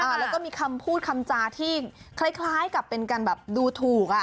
แล้วก็มีคำพูดคำจาที่คล้ายกับเป็นการแบบดูถูกอ่ะ